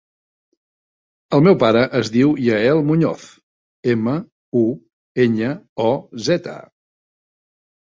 El meu pare es diu Yael Muñoz: ema, u, enya, o, zeta.